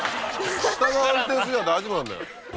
下が安定すりゃ大丈夫なんだよ。